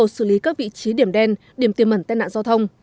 xử lý các vị trí điểm đen điểm tiềm mẩn tai nạn giao thông